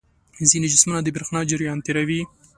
ځینې جسمونه د برېښنا جریان تیروي.